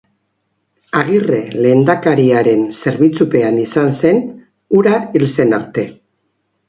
Agirre lehendakariaren zerbitzupean izan zen, hura hil zen arte.